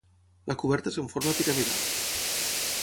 La coberta és en forma piramidal.